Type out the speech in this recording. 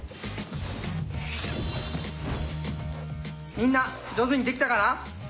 みんな上手にできたかな？